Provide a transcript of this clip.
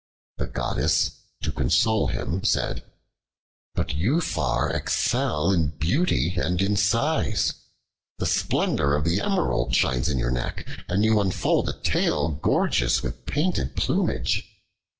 The Goddess, to console him, said, "But you far excel in beauty and in size. The splendor of the emerald shines in your neck and you unfold a tail gorgeous with painted plumage."